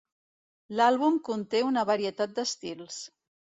L'àlbum conté una varietat d'estils.